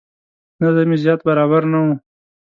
نظم یې زیات برابر نه و.